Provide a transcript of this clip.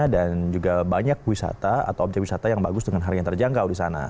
juga banyak wisata atau objek wisata yang bagus dengan harga yang terjangkau di sana